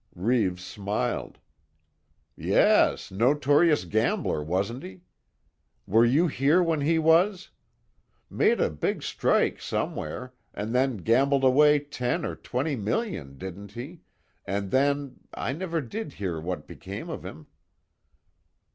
Reeves smiled: "Yes notorious gambler, wasn't he? Were you here when he was? Made a big strike, somewhere, and then gambled away ten or twenty million, didn't he, and then I never did hear what became of him."